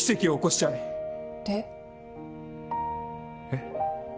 えっ？